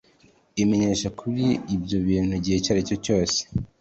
imenyesha kuri ibyo bintu igihe icyo ari cyo cyose